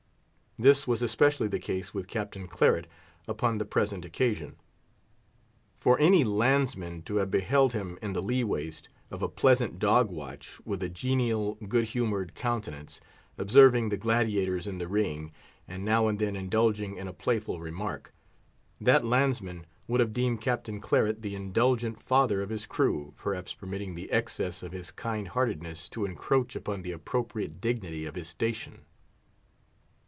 This was especially the case with Captain Claret upon the present occasion. For any landsman to have beheld him in the lee waist, of a pleasant dog watch, with a genial, good humoured countenance, observing the gladiators in the ring, and now and then indulging in a playful remark—that landsman would have deemed Captain Claret the indulgent father of his crew, perhaps permitting the excess of his kind heartedness to encroach upon the appropriate dignity of his station.